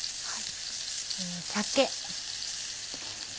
酒。